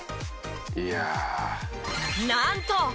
「いやあ」なんと！